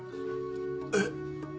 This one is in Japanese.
えっ？